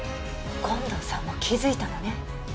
権藤さんも気づいたのね。